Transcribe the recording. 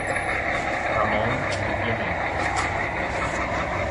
Ramon di Clemente